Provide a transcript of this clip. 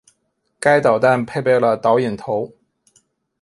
该导弹配备了导引头。